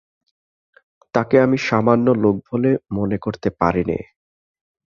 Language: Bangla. তাকে আমি সামান্য লোক বলে মনে করতে পারি নে।